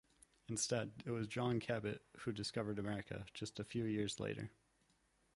Instead, it was John Cabot who discovered America, just a few years later.